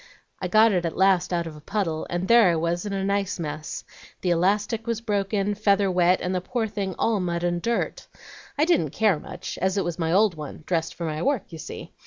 I got it at last out of a puddle, and there I was in a nice mess. The elastic was broken, feather wet, and the poor thing all mud and dirt. I didn't care much, as it was my old one, dressed for my work, you see.